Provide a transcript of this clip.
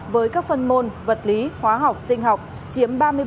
với các phần môn vật lý khoa học sinh học chiếm ba mươi ba tám mươi năm